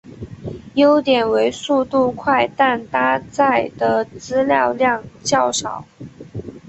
优点为速度快但搭载的资料量较少。